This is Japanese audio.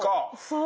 そう！